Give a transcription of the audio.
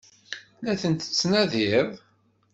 La tent-tettnadiḍ?